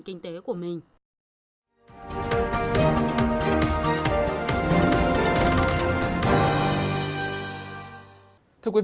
kinh tế của mình